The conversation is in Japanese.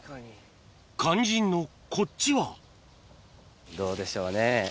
肝心のこっちはどうでしょうね。